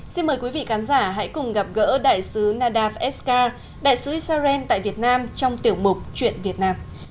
xin mời quý vị khán giả hãy cùng gặp gỡ đại sứ nadavca đại sứ israel tại việt nam trong tiểu mục chuyện việt nam